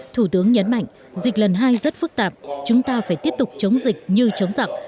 thủ tướng nhấn mạnh dịch lần hai rất phức tạp chúng ta phải tiếp tục chống dịch như chống giặc